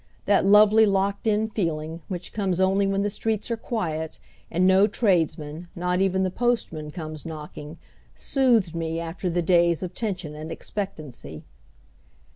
That lovely locked in feeling, which comes only when the streets are quiet, and no tradesmen, not even the postman, comes knocking, soothed me after the days of tension and expectancy.